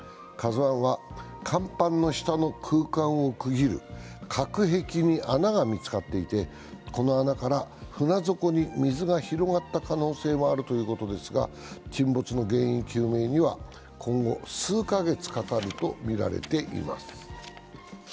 「ＫＡＺＵⅠ」は甲板の下の空間を区切る隔壁に穴が見つかっていて、この穴から船底に水が広がった可能性もあるということですが、沈没の原因究明には今後数カ月かかるとみられています。